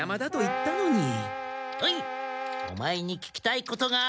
おいオマエに聞きたいことがある！